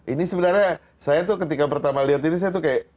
ini sebenarnya saya tuh ketika pertama lihat ini saya tuh kayak